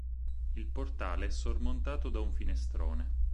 Il portale è sormontato da un finestrone.